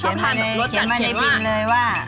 ชอบทานรสจัดที่มินเลยว่า